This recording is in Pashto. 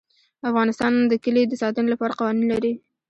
افغانستان د کلي د ساتنې لپاره قوانین لري.